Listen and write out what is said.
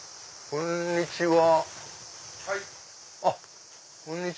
こんにちは。